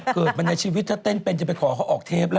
เกิดมาในชีวิตถ้าเต้นเป็นจะไปขอเขาออกเทปล่ะ